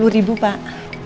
dua puluh ribu pak